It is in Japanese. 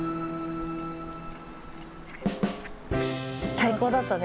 最高だったね。